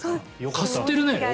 かすってるね。